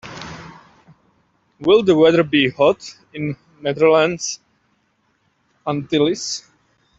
Will the weather be hot in Netherlands Antilles?